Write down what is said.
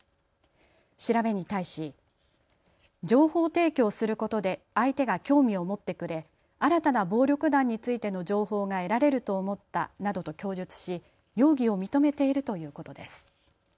調べに対し情報提供することで相手が興味を持ってくれ新たな暴力団についての情報が得られると思ったなどと供述し容疑を認めているということです。